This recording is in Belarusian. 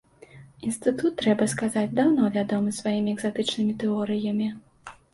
Інстытут, трэба сказаць, даўно вядомы сваімі экзатычнымі тэорыямі.